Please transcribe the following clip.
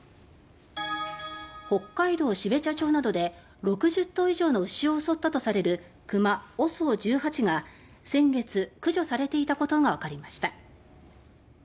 北海道標茶町などで６０頭以上の牛を襲ったとされるクマ「ＯＳＯ１８」が先月駆除されていたことが分かりました。